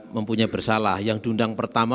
mempunyai bersalah yang diundang pertama